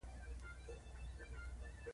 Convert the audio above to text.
تر بنده په پنځو روپو یعنې.